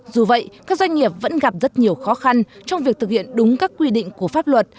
dù vậy các doanh nghiệp vẫn gặp rất nhiều khó khăn trong việc thực hiện đúng các quy định của pháp luật